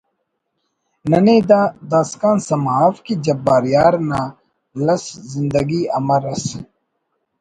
ننے دا داسکان سما اف کہ جبار یار نا لس زندگی امر ئس